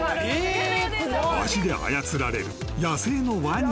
［足で操られる野生のワニ］